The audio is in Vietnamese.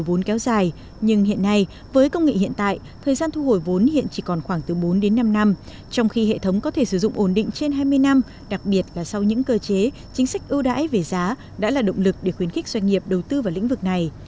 với doanh nghiệp hiện tại thời gian thu hồi vốn hiện chỉ còn khoảng từ bốn đến năm năm trong khi hệ thống có thể sử dụng ổn định trên hai mươi năm đặc biệt là sau những cơ chế chính sách ưu đãi về giá đã là động lực để khuyến khích doanh nghiệp đầu tư vào lĩnh vực này